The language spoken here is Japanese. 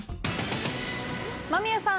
間宮さん